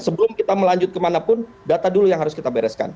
sebelum kita melanjut kemanapun data dulu yang harus kita bereskan